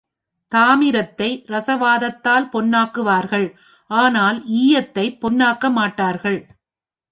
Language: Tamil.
தாமிரத்தை ரஸவாதத்தால் பொன்னாக்குவார்கள் ஆனால் ஈயத்தைப் பொன்னாக்க மாட்டார்கள்.